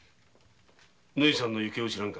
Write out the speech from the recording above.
縫さんの行方を知らんか？